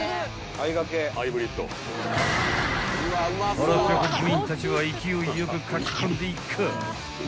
［腹ペコ部員たちは勢いよくかき込んでいかぁ］